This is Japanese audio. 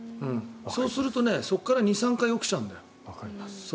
そうするとそこから２３回起きちゃうんだよね。